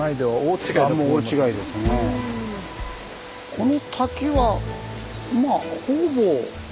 この滝はまあほぼ。